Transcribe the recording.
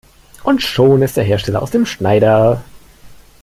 Und schon ist der Hersteller aus dem Schneider.